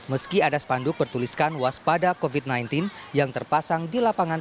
meski ada spanduk bertuliskan waspada covid sembilan belas yang terpasang di lapangan